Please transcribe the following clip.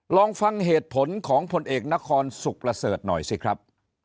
ลองฟังเหตุผลของผลเอกนครสุขประเสริฐหน่อยสิครับ